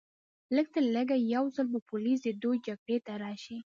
لږترلږه یو ځل به پولیس د دوی جګړې ته راشي